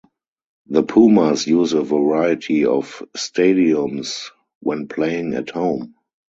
The Pumas use a variety of stadiums when playing at home.